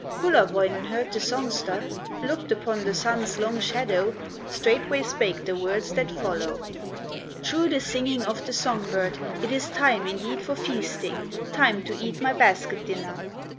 Kullerwoinen heard the songster, Looked upon the Sun's long shadow, Straightway spake the words that follow: "True, the singing of the song bird, It is time indeed for feasting, Time to eat my basket dinner."